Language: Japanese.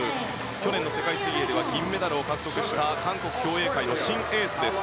去年の世界水泳では銀メダルを獲得した韓国競泳界の新エース。